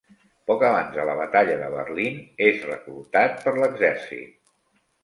Poc abans de la batalla de Berlín és reclutat per l'exèrcit.